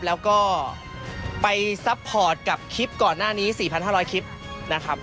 แล้วก็ไปซัพพอร์ตกับคลิปก่อนหน้านี้๔๕๐๐คลิปนะครับ